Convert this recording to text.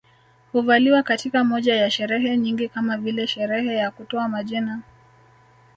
Huvaliwa katika moja ya sherehe nyingi kama vile sherehe ya kutoa majina